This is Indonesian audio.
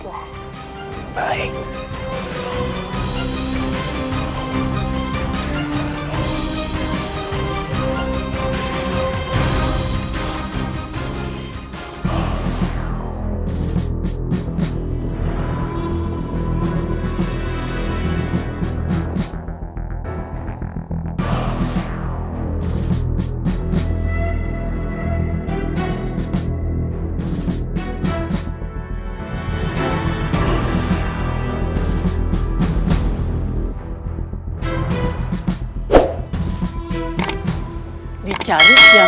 terima kasih rara santam